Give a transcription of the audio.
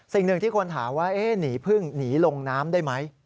สิ่งหนึ่งที่คนถามว่าหนีพึ่งหนีลงน้ำได้ไหม